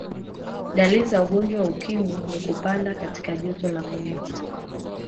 dalili za ugonjwa wa ukimwi ni kupanda kwa joto la mwili